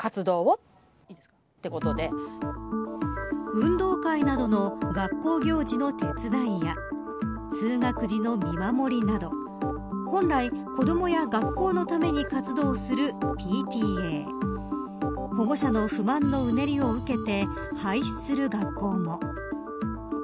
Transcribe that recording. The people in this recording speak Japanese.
運動会などの学校行事の手伝いや通学時の見守りなど本来、子どもや学校のために活動するＰＴＡ保護者の不満のうねりを受けて廃止する学校も。